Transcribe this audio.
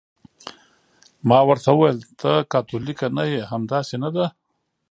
ما ورته وویل: ته کاتولیکه نه یې، همداسې نه ده؟